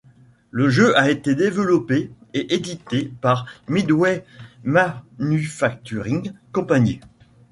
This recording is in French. Le jeu a été développé et édité par Midway Manufacturing Company.